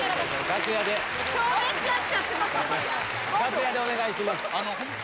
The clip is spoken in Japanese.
楽屋でお願いします。